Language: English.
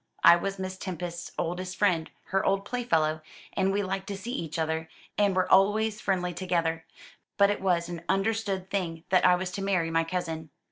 I was Miss Tempest's oldest friend her old playfellow, and we liked to see each other, and were always friendly together. But it was an understood thing that I was to marry my cousin.